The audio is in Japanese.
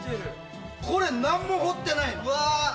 これ何も彫ってないの。